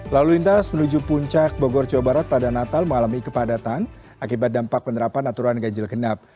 lalu lintas menuju puncak bogor jawa barat pada natal mengalami kepadatan akibat dampak penerapan aturan ganjil genap